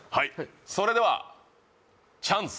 それではチャンス